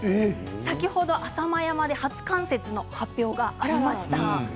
先ほど浅間山で初冠雪の発表がありました。